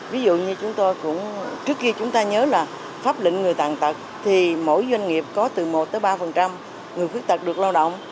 ví dụ như chúng tôi cũng trước khi chúng ta nhớ là pháp lệnh người tàn tật thì mỗi doanh nghiệp có từ một tới ba người khuyết tật được lao động